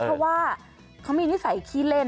เพราะว่าเขามีนิสัยขี้เล่น